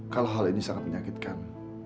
kalau hal ini sangat menyakitkan